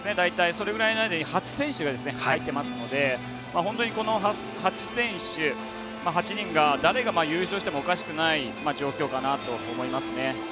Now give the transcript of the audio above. それぐらいに８選手が入ってますので本当に８選手、８人誰が優勝してもおかしくない状況かなと思いますね。